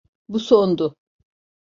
Bu sondu.